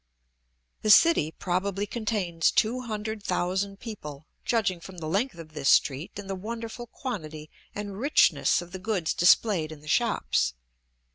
The city probably contains two hundred thousand people, judging from the length of this street and the wonderful quantity and richness of the goods displayed in the shops.